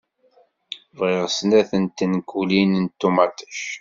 Bɣiɣ snat n tenkulin n ṭumaṭic.